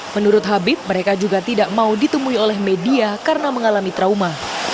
menurut habib mereka juga tidak mau ditemui oleh media karena mengalami trauma